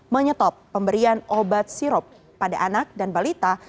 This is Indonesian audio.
menyetop pemberian obat sirup pada anak dan balita